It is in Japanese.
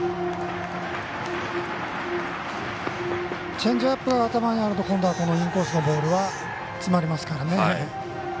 チェンジアップが頭にあると今度はインコースのボール詰まりますからね。